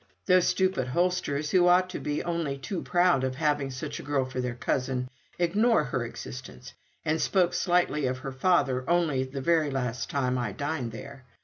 Those stupid Holsters, who ought to be only too proud of having such a girl for their cousin, ignore her existence, and spoke slightingly of her father only the very last time I dined there.